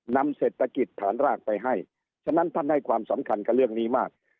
นำเศรษฐกิจฐานรากไปให้ฉะนั้นท่านให้ความสำคัญกับเรื่องนี้มาก